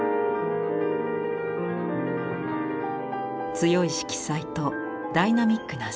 強い色彩とダイナミックな線。